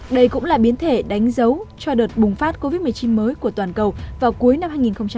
đây cũng là biến thể đánh dấu cho đợt bùng phát covid một mươi chín mới của toàn cầu vào cuối năm hai nghìn hai mươi